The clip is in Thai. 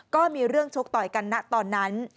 ก็มีเรื่องชกต่อยกันนะตอนนั้น